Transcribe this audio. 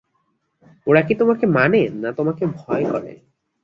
ওরা কি তোমাকে মানে, না তোমাকে ভয় করে!